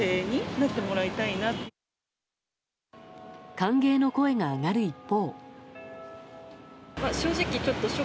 歓迎の声が上がる一方。